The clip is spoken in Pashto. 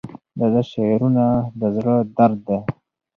د ده شعرونه د زړه درد دی.